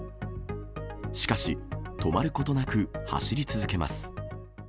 しかし、止まることなく、走り続けます。